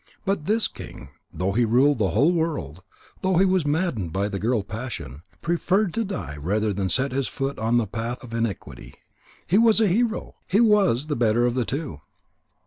But this king, though he ruled the whole world, though he was maddened by the girl Passion, preferred to die rather than set his foot on the path of iniquity. He was a hero. He was the better of the two."